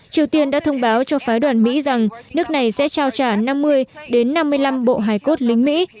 triều tiên đã thông báo cho phái đoàn mỹ rằng nước này sẽ trao trả năm mươi đến năm mươi năm bộ hài cốt lính mỹ